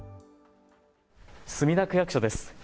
墨田区役所です。